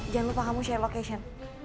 jangan lupa kamu share location